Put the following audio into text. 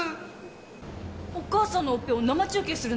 お母さんのオペを生中継するの？